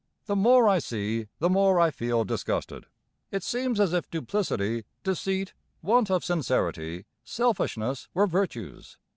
The more I see the more I feel disgusted. It seems as if duplicity, deceit, want of sincerity, selfishness were virtues.